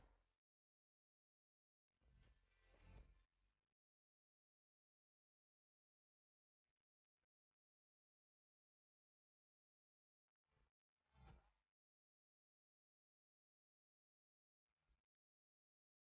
jangan sakitkan adit